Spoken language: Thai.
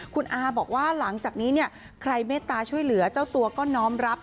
คุณอาบอกว่าหลังจากนี้เนี่ยใครเมตตาช่วยเหลือเจ้าตัวก็น้อมรับ